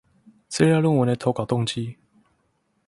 資料論文的投稿動機